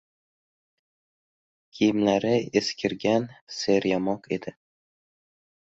Kiyimlari eskigan, seryamoq edi.